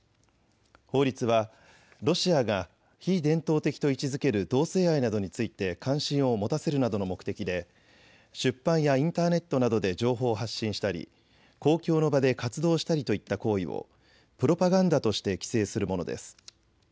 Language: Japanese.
法律はロシアが非伝統的と位置づける同性愛などについて関心を持たせるなどの目的で出版やインターネットなどで情報を発信したり公共の場で活動したりといった行為をプロパガンダとして規制するものです。